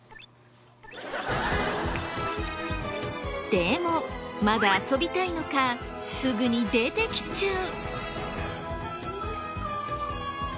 でもまだ遊びたいのかすぐに出てきちゃう。